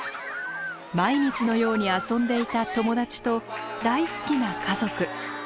毎日のように遊んでいた友達と大好きな家族。